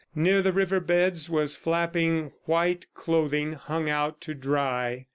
Near the river beds was flapping white clothing hung out to dry.